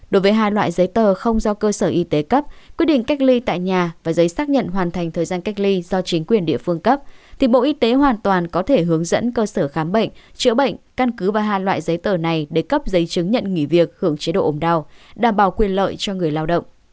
đối với hai loại giấy tờ không do cơ sở y tế cấp quyết định cách ly tại nhà và giấy xác nhận hoàn thành thời gian cách ly do chính quyền địa phương cấp thì bộ y tế hoàn toàn có thể hướng dẫn cơ sở khám bệnh chữa bệnh căn cứ và hai loại giấy tờ này để cấp giấy chứng nhận nghỉ việc hưởng chế độ ồm đau đảm bảo quyền lợi cho người lao động